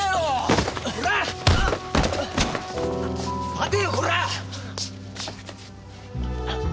立てよコラ！